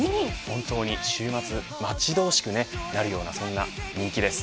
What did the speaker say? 本当に週末待ちどうしくなるようなそんな人気です。